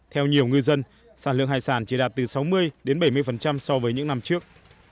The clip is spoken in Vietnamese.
theo nhiều ngư dân sản lượng hải sản chỉ đạt từ sáu mươi đến bảy mươi so với những năm trước